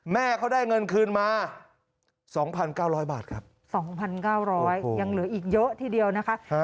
แม่เขาได้เงินคืนมา๒๙๐๐บาทครับ๒๙๐๐ยังเหลืออีกเยอะทีเดียวนะคะ